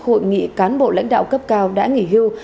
hội nghị cán bộ lãnh đạo cấp cao đã nghỉ hưu